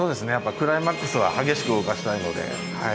クライマックスは激しく動かしたいので。